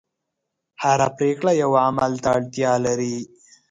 هره پرېکړه یوه عمل ته اړتیا لري.